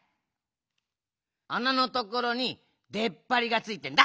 あなのところにでっぱりがついてんだ。